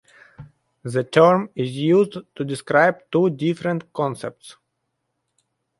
The term is used to describe two different concepts.